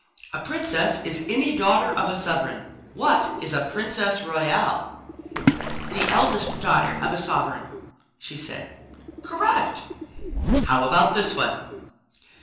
"A princess is any daughter of a sovereign. What is a princess royal?" "The eldest daughter of a sovereign," she said. "Correct! How about this one?